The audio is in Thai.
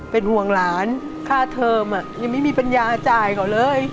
เป็นห่วงหลานค่าเทอมยังไม่มีปัญญาจ่ายเขาเลย